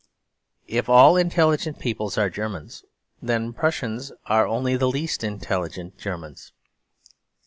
If all intelligent peoples are Germans, then Prussians are only the least intelligent Germans.